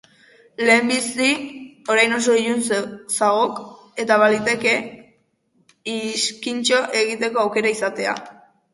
Lehenbizi, orain oso ilun zagok, eta balitekek iskintxo egiteko aukera izatea.